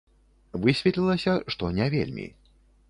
Высветлілася, што не вельмі.